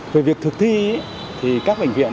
về việc thực thi thì các bệnh viện